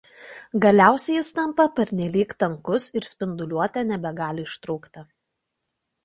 Galiausiai jis tampa pernelyg tankus ir spinduliuotė nebegali ištrūkti.